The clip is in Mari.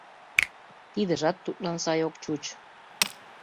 Тидыжат тудлан сай ок чуч.